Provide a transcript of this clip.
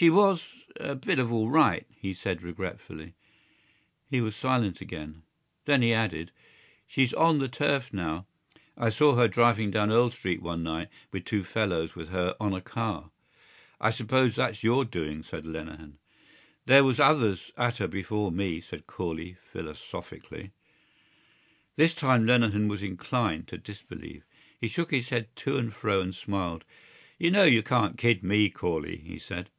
"She was ... a bit of all right," he said regretfully. He was silent again. Then he added: "She's on the turf now. I saw her driving down Earl Street one night with two fellows with her on a car." "I suppose that's your doing," said Lenehan. "There was others at her before me," said Corley philosophically. This time Lenehan was inclined to disbelieve. He shook his head to and fro and smiled. "You know you can't kid me, Corley," he said.